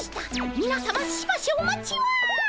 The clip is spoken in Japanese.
みなさましばしお待ちを。